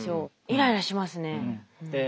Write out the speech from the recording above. イライラしますね。